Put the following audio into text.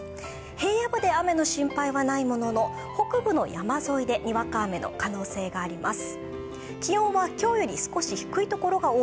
平野部で雨の心配はないものの北部の山沿いでにわか雨の可能性があります。